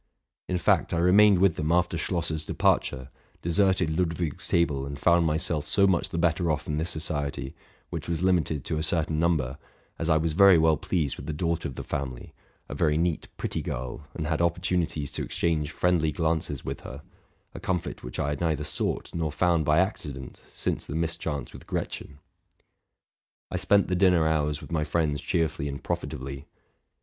In fact, I rem: ned with them after Schlosser's departure, deserted Ludwi ig's table, and found myself so much the better off in this society, which was limited to a certain number, as I was very well pleased with the daughter of the family, a very neat, pretty girl, and had opportunities to exchange fr iendly glances with her, —a comfort which I had neither sought nor found by accident since the mischance with Gretchen. I spent the dinner hours with my friends cheerfully and profitably.